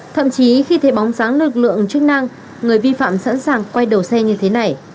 thậm chí khi thấy bóng dáng lực lượng chức năng người vi phạm sẵn sàng quay đầu xe như thế này